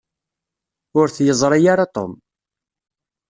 Ur t-yeẓṛi ara Tom.